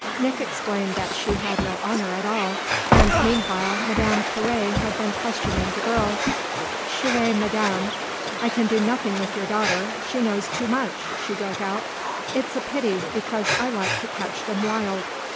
Nick explained that she had no honour at all, and meanwhile Madame Carré had been questioning the girl "Chère madame, I can do nothing with your daughter: she knows too much!" she broke out. "It's a pity, because I like to catch them wild."